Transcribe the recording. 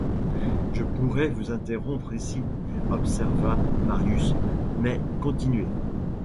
Je pourrais vous interrompre ici, observa Marius, mais continuez.